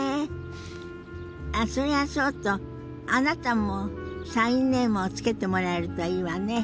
あっそれはそうとあなたもサインネームを付けてもらえるといいわね。